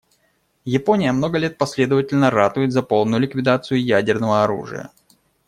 Япония много лет последовательно ратует за полную ликвидацию ядерного оружия.